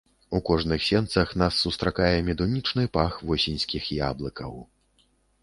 У кожных сенцах нас сустракае медунічны пах восеньскіх яблыкаў.